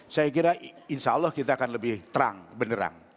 saya kira insya allah kita akan lebih terang benerang